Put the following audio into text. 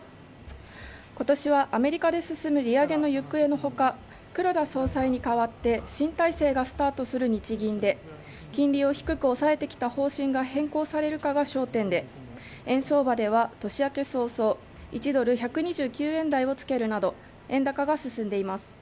今年はアメリカで進む利上げの行方の他黒田総裁に代わって新体制がスタートする日銀で金利を低く抑えてきた方針が変更されるかが焦点で円相場では年明け早々１ドル１２９円台をつけるなど円高が進んでいます。